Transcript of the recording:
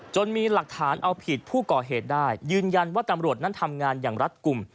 มีหลักฐานเอาผิดผู้ก่อเหตุได้ยืนยันว่าตำรวจนั้นทำงานอย่างรัฐกลุ่ม